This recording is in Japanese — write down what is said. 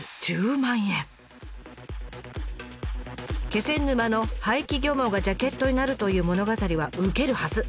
気仙沼の廃棄漁網がジャケットになるという物語はウケるはず！